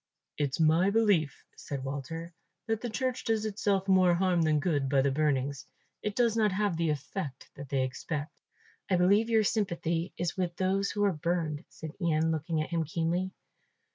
"It's my belief," said Walter, "that the church does itself more harm than good by the burnings; it does not have the effect that they expect." "I believe your sympathy is with those who are burned," said Ian, looking at him keenly.